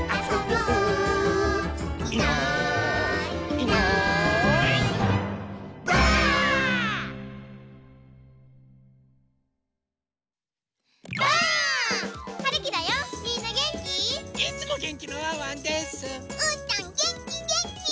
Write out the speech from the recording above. うーたんげんきげんき！